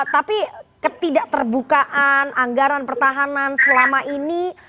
tapi ketidak terbukaan anggaran pertahanan selama ini